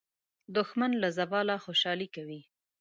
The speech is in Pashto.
دښمن له زواله خوشالي کوي